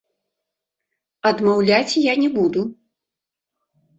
Адмаўляць я не буду.